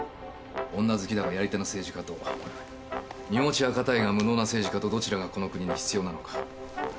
女好きだがやり手の政治家と身持ちは堅いが無能な政治家とどちらがこの国に必要なのか。